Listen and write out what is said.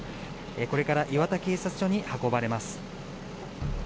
これから磐田警察署に運ばれます。